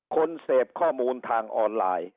คนเสพข้อมูลทางออนไลน์